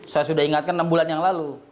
saya sudah ingatkan enam bulan yang lalu